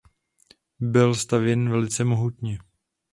Byl stavěný velice mohutně.